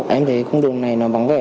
em thấy khung đường này nó vắng vẻ